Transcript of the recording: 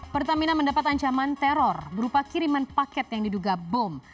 pertamina mendapat ancaman teror berupa kiriman paket yang diduga bom